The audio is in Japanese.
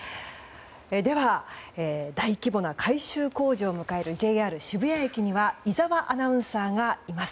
では、大規模な改修工事を迎えるＪＲ渋谷駅には井澤アナウンサーがいます。